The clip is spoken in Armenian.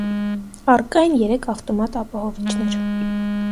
Առկա են երեք ավտոմատ ապահովիչներ։